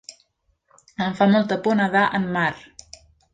Em fa molta por nedar en mar.